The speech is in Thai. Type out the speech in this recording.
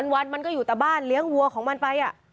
วันมันก็อยู่แต่บ้านเลี้ยงวัวของมันไป